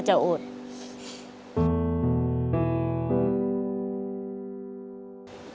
ผมคิดว่าสงสารแกครับ